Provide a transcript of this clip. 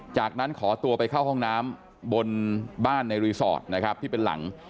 จากนั้นขอตัวไปเข้าห้องน้ำบนบ้านในรีสอร์ทนะครับที่เป็นหลัง